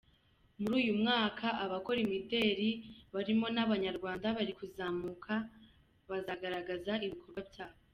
Muri uyu mwaka abakora imideli barimo n’Abanyarwanda bari kuzamuka bazagaragaza ibikorwa byabo.